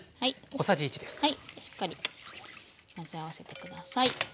しっかり混ぜ合わせて下さい。